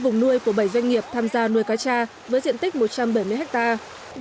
hai mươi vùng nuôi của bảy doanh nghiệp tham gia nuôi cá trà với diện tích một trăm bảy mươi hectare